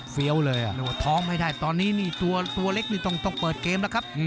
เฟี้ยวเลยอ่ะหนัวท้องให้ได้ตอนนี้ตัวเล็กต้องเปิดเกมแล้วครับ